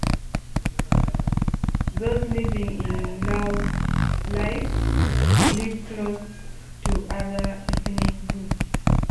Those living in Laos live close to other ethnic groups.